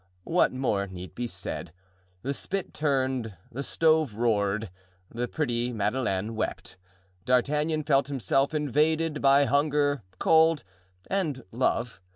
What more need be said? The spit turned, the stove roared, the pretty Madeleine wept; D'Artagnan felt himself invaded by hunger, cold and love.